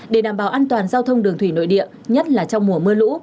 để đảm bảo an toàn giao thông đường thủy nội địa nhất là trong mùa mưa lũ